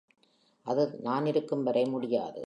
அது நான் இருக்கும் வரை முடியாது.